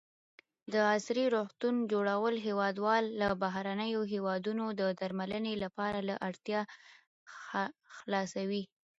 د عصري روغتونو جوړول هېوادوال له بهرنیو هېوادونو د درملنې لپاره له اړتیا خلاصوي.